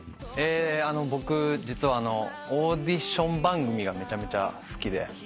僕実はオーディション番組がめちゃめちゃ好きで。